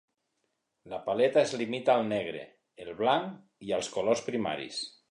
La paleta es limita al negre, el blanc i als colors primaris.